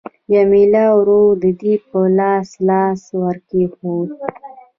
جميله ورو د دې پر لاس لاس ورکښېښود.